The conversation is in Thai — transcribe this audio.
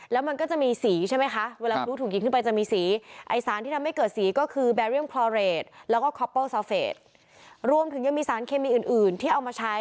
แล้วมันก็จะมีสีใช่ไหมคะเวลาพลู้ถูกยิงขึ้นไปจะมีสี